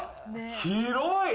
広い。